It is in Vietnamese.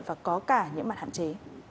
và có cả những mặt hạn chế